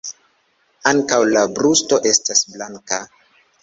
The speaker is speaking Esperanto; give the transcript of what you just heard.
Ankaŭ la brusto estas blanka.